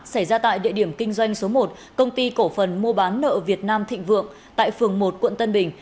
xảy ra tại địa điểm kinh doanh số một công ty cổ phần mua bán nợ việt nam thịnh vượng tại phường một quận tân bình